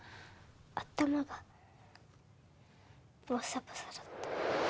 頭がボサボサだった。